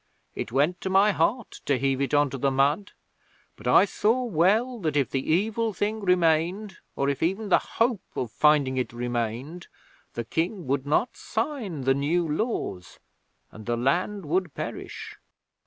It went to my heart to heave it on to the mud, but I saw well that if the evil thing remained, or if even the hope of finding it remained, the King would not sign the New Laws, and the land would perish.'